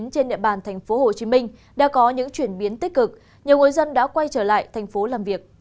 trên địa bàn tp hcm đã có những chuyển biến tích cực nhiều người dân đã quay trở lại thành phố làm việc